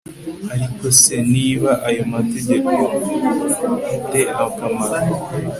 ariko se niba ayo mategeko a te akamaro